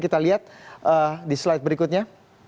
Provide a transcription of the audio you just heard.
kita lihat di slide berikutnya